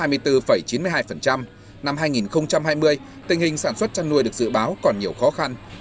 năm hai nghìn hai mươi tình hình sản xuất chăn nuôi được dự báo còn nhiều khó khăn